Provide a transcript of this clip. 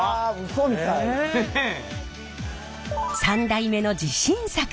３代目の自信作！